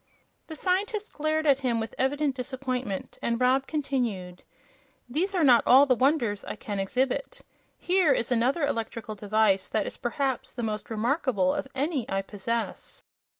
The scientist glared at him with evident disappointment, and Rob continued: "These are not all the wonders I can exhibit. Here is another electrical device that is, perhaps, the most remarkable of any I possess."